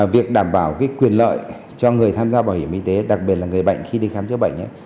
việc đảm bảo quyền lợi cho người tham gia bảo hiểm y tế đặc biệt là người bệnh khi đi khám chữa bệnh